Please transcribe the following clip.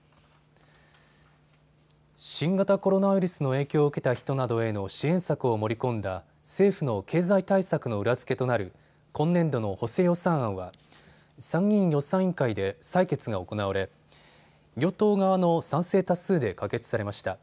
新型コロナウイルスの影響を受けた人などへの支援策を盛り込んだ政府の経済対策の裏付けとなる今年度の補正予算案は参議院予算委員会で採決が行われ与党側の賛成多数で可決されました。